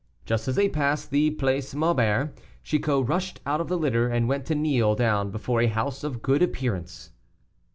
Just as they passed the Place Maubert, Chicot rushed out of the litter, and went to kneel down before a house of good appearance.